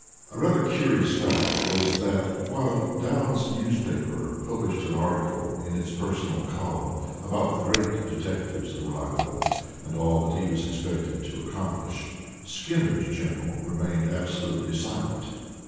A rather curious fact was that, while Dowd's newspaper published an article in its personal column about the great detective's arrival and all that he was expected to accomplish, Skinner's journal remained absolutely silent.